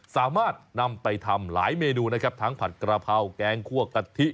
สามารถนำไปทำหลายเมนูนะครับทั้งผัดกระเพราแกงคั่วกะทิ